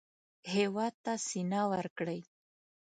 هېواد ته سینه ورکړئ